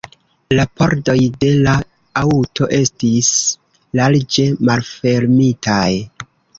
La pordoj de la aŭto estis larĝe malfermitaj.